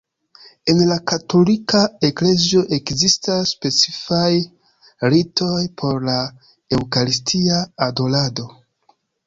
En la Katolika Eklezio ekzistas specifaj ritoj por la Eŭkaristia adorado.